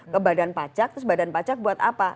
ke badan pajak terus badan pajak buat apa